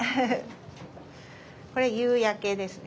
これ夕焼けですね